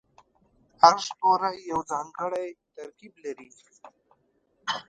هر ستوری یو ځانګړی ترکیب لري.